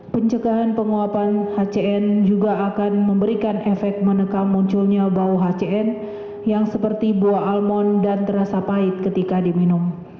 pencegahan penguapan hcn juga akan memberikan efek menekam munculnya bau hcn yang seperti buah almond dan terasa pahit ketika diminum